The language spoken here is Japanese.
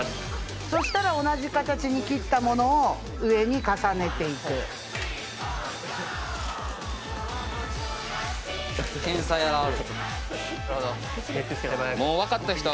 そしたら同じ形に切ったものを上に重ねていく・天才現る・